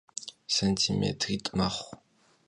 Santimêtrit' mexhu.